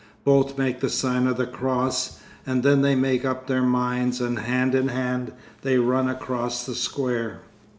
Both make the sign of the cross, and then they make up their minds, and hand in hand they run across the square.